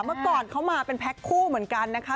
เมื่อก่อนเขามาเป็นแพ็คคู่เหมือนกันนะคะ